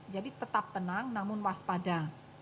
jadi tetap tenang namun waspada